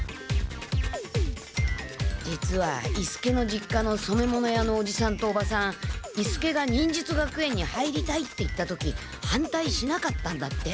実は伊助の実家のそめ物屋のおじさんとおばさん伊助が「忍術学園に入りたい」って言った時反対しなかったんだって。